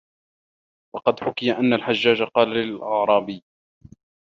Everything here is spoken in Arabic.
وَقَدْ حُكِيَ أَنَّ الْحَجَّاجَ قَالَ لِأَعْرَابِيٍّ